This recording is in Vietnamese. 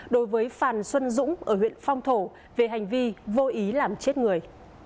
đối với phan xuân dũng ở huyện phong thổ về hành vi vô ý làm chết người